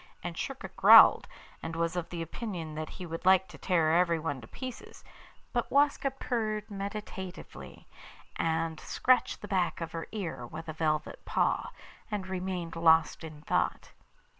And Schurka growled, and was of opinion that he would like to tear everyone in pieces; but Waska purred meditatively, and scratched the back of her ear with a velvet paw, and remained lost in thought.